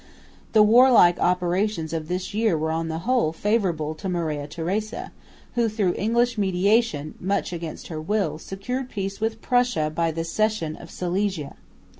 The warlike operations of this year were on the whole favourable to Maria Theresa, who through English mediation, much against her will, secured peace with Prussia by the cession of Silesia.